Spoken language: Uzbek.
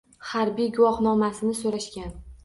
Harbiy guvohnomasini so`rashgan